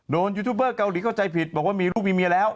ยูทูบเบอร์เกาหลีเข้าใจผิดบอกว่ามีลูกมีเมียแล้ว